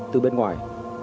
từ bên ngoài